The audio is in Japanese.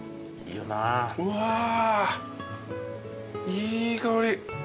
いい香り。